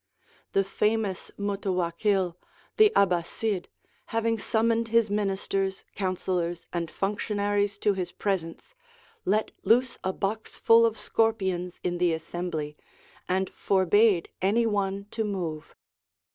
The famous Mutawakkil, the 'Abbasid, having summoned his ministers, councillors, and functionaries to his presence, let loose a box full of scorpions in the assembly, and forbade any one to move.